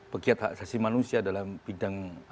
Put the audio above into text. pekiat hak saksi manusia dalam bidang